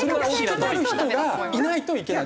引き取る人がいないといけない。